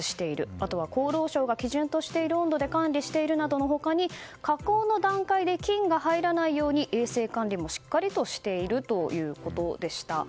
あとは厚労省が基準としている温度で管理しているなどの他に加工の段階で菌が入らないように衛生管理もしっかりとしているということでした。